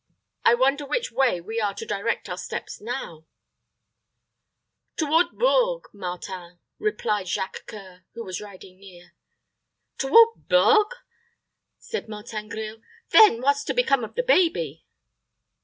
I wonder which way we are to direct our steps now." "Toward Bourges, Martin," replied Jacques C[oe]ur, who was riding near. "Toward Bourges!" said Martin Grille. "Then what's to become of the baby?"